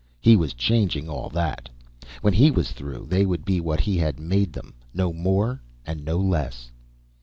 He was changing all that. When he was through, they would be what he had made them, no more and no less.